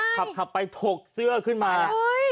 ขับไปถกเสื้อขึ้นมา